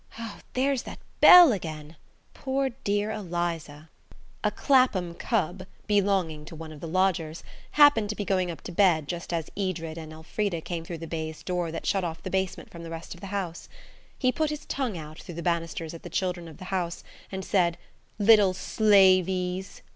Oh, there's that bell again! Poor, dear Eliza." A Clapham cub, belonging to one of the lodgers, happened to be going up to bed just as Edred and Elfrida came through the baize door that shut off the basement from the rest of the house. He put his tongue out through the banisters at the children of the house and said, "Little slaveys."